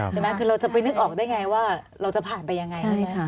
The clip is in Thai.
ใช่ไหมคือเราจะไปนึกออกได้ไงว่าเราจะผ่านไปยังไงใช่ไหมคะ